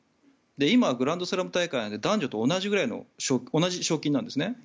今、グランドスラム大会って男女同じくらいの賞金なんですね。